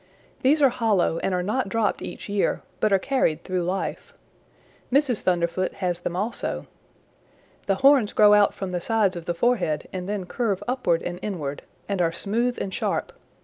These are hollow and are not dropped each year, but are carried through life. Mrs. Thunderfoot has them also. The horns grow out from the sides of the forehead and then curve upward and inward, and are smooth and sharp.